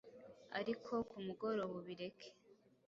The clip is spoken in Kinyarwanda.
ariko ku mugoroba ubireke.